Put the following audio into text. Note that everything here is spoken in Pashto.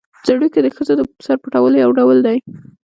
ځړوکی د ښځو د سر پټولو یو ډول دی